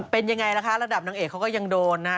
เป็นยังไงล่ะคะระดับนางเอกเขาก็ยังโดนนะฮะ